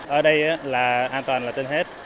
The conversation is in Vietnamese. ở đây an toàn là trên hết